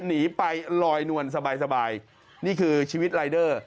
หนีไปลอยนวลสบายนี่คือชีวิตรายเดอร์